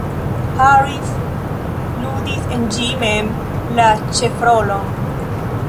Harris ludis en ĝi mem la ĉefrolon.